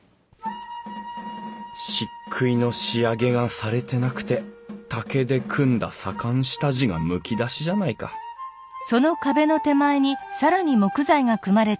しっくいの仕上げがされてなくて竹で組んだ左官下地がむき出しじゃないか何だ？